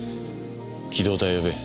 機動隊を呼べ。